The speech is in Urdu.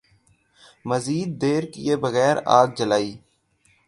مزید دیر کئے بغیر آگ جلائی